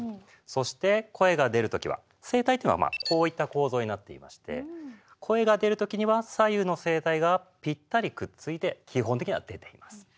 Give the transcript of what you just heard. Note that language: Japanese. そして声が出るときは声帯というのはこういった構造になっていまして声が出るときには左右の声帯がぴったりくっついて基本的には出ています。